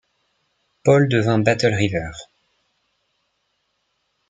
Paul devint Battle River.